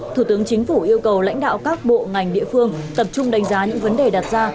thủ tướng chính phủ yêu cầu lãnh đạo các bộ ngành địa phương tập trung đánh giá những vấn đề đặt ra